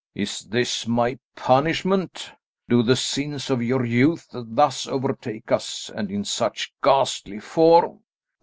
Is this my punishment? Do the sins of our youth thus overtake us, and in such ghastly form?